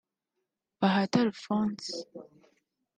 Bahati Alphonse